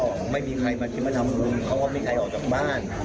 ก็ไม่มีใครมาคิดมาทำบุญเขาก็มีใครออกจากบ้าน